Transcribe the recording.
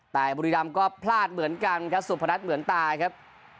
แต่บุรีรำก็พลาดเหมือนกันครับสุพนัทเหมือนตายครับ